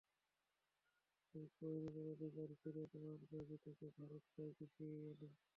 সেই কোহিনুরের অধিকার ফিরে পাওয়ার দাবি থেকে ভারত প্রায় পিছিয়েই এল।